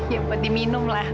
ya buat diminumlah